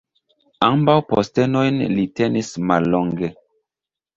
Ambaŭ postenojn li tenis mallonge.